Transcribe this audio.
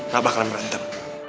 gak bakalan merantem